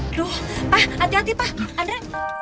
aduh pak hati hati pak andre